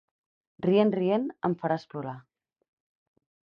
Rient, rient, ens faràs plorar.